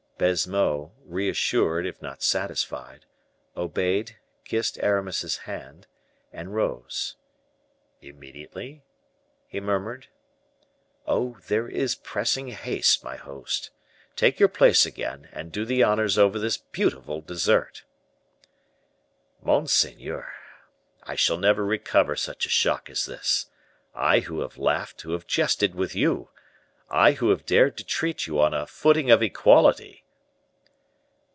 Baisemeaux, reassured, if not satisfied, obeyed, kissed Aramis's hand, and rose. "Immediately?" he murmured. "Oh, there is no pressing haste, my host; take your place again, and do the honors over this beautiful dessert." "Monseigneur, I shall never recover such a shock as this; I who have laughed, who have jested with you! I who have dared to treat you on a footing of equality!"